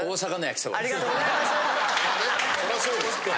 ありがとうございます。